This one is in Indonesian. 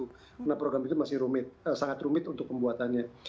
karena program itu masih rumit sangat rumit untuk pembuatannya